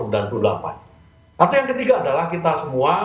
atau yang ketiga adalah kita semua